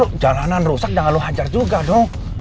kalau jalanan rusak jangan lo hajar juga dong